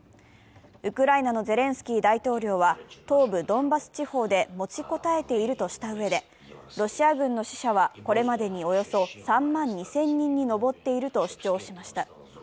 ウクライナのゼレンスキー大統領は東部ドンバス地方で持ちこたえているとしたうえで、ロシア軍の死者はこれまでにおよそ３万２０００人に上っていると主張しました。